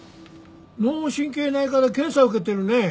脳神経内科で検査受けてるね。